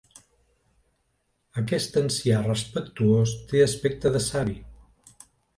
Aquest ancià respectuós té aspecte de savi.